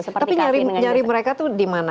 tapi nyari mereka tuh di mana